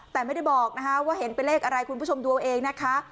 แต่ไม่ได้บอกนะคะว่าเห็นเป็นเลขอะไรคุณผู้ชมดูเอาเองนะคะ